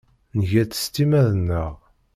Nga-t s timmad-nneɣ.